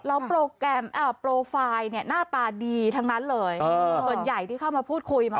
แล้วโปรไฟล์หน้าตาดีทั้งนั้นเลยส่วนใหญ่ที่เข้ามาพูดคุย